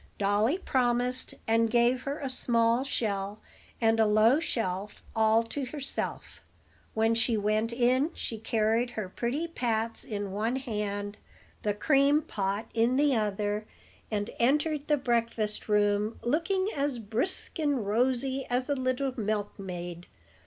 Dolly promised, and gave her a small shell and a low shelf all to herself. When she went in, she carried her pretty pats in one hand, the cream pot in the other, and entered the breakfast room looking as brisk and rosy as a little milkmaid.